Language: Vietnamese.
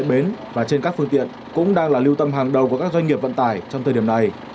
bến và trên các phương tiện cũng đang là lưu tâm hàng đầu của các doanh nghiệp vận tải trong thời điểm này